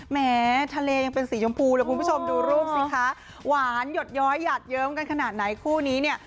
แหมทะเลยังเป็นสีชมพูเลยคุณผู้ชมดูรูปสิคะหวานหยดย้อยหยาดเยิ้มกันขนาดไหนคู่นี้เนี่ย